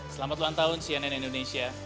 selamat ulang tahun cnn indonesia